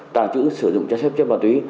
tàng trữ sử dụng chất xếp chất ma túy